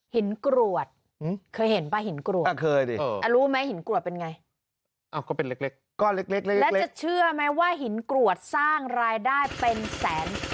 กรวดเคยเห็นป่ะหินกรวดรู้ไหมหินกรวดเป็นไงแล้วจะเชื่อไหมว่าหินกรวดสร้างรายได้เป็นแสน